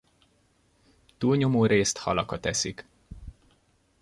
Túlnyomórészt halakat eszik.